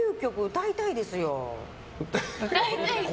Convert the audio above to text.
歌いたいですよ。